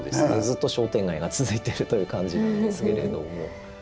ずっと商店街が続いてるという感じなんですけれども。